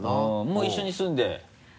もう一緒に住んで？